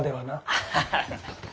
アハハハ！